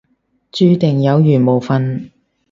注定有緣冇瞓